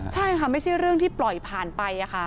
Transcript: ใช่ค่ะไม่ใช่เรื่องที่ปล่อยผ่านไปค่ะ